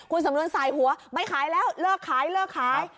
คุณสำนวนสายหัวไม่ขายแล้วเลิกขายเลิกขาย